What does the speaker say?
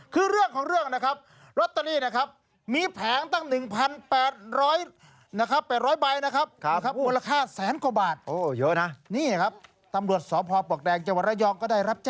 คือเรื่องของเรื่องนะครับ